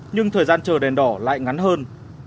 nhưng thời gian chờ đèn đỏ lại ngắn hơn